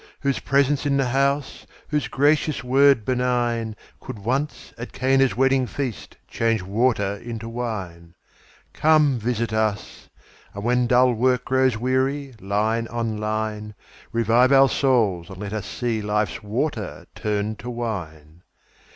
whose presence in the house, Whose gracious word benign, Could once, at Cana's wedding feast, Change water into wine; Come, visit us! and when dull work Grows weary, line on line, Revive our souls, and let us see Life's water turned to wine.